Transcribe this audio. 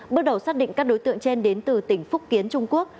bước đầu xác định các đối tượng trên đến từ tỉnh phúc kiến trung quốc